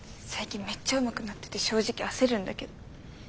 最近めっちゃうまくなってて正直焦るんだけど。